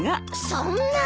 そんな。